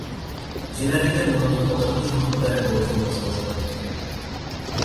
জেলাটিতে মূলত পশতু সম্প্রদায়ের লোকজন বসবাস করে থাকে।